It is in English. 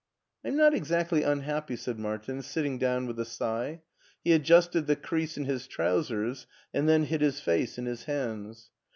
"I am not exactly unhappy," said Martin, sitting down with a sigh. He adjusted the crease in his trousers, and then hid his face in his hands.